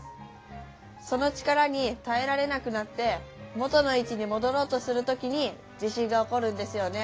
その力に耐えられなくなって元の位置に戻ろうとする時に地震が起こるんですよね。